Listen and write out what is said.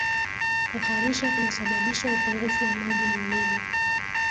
kuharisha kunasababisha upungufu wa maji mwilini